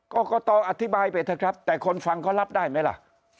กรกตอธิบายไปเถอะครับแต่คนฟังเขารับได้ไหมล่ะ